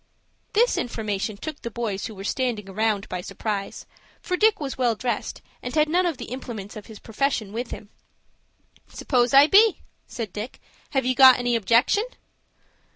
This information took the boys who were standing around by surprise, for Dick was well dressed, and had none of the implements of his profession with him. "S'pose I be," said Dick. "Have you got any objection?"